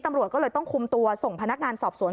ตำรวจก็เลยต้องคุมตัวส่งพนักงานสอบสวน